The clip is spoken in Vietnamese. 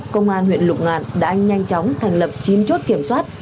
công an huyện lục ngạn đã nhanh chóng thành lập chín chốt kiểm soát